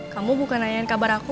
kamu bukan nanyain kabar aku